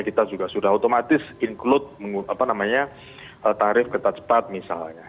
kita juga sudah otomatis include tarif kereta cepat misalnya